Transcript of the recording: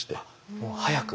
もう早く。